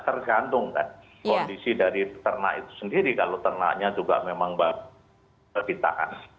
tergantung kan kondisi dari ternak itu sendiri kalau ternaknya juga memang lebih tahan